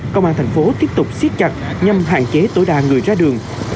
công an thành phố tiếp tục siết chặt nhằm hạn chế tối đa người ra đường